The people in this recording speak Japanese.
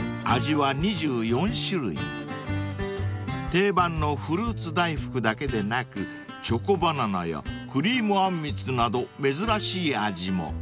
［定番のフルーツ大福だけでなくちょこバナナやクリームあんみつなど珍しい味も］